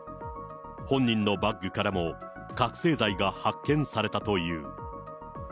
本人のバッグからも、覚醒剤が発見されたという。